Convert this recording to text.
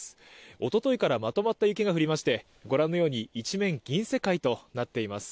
一昨日からまとまった雪が降りましてご覧のように一面銀世界となっています。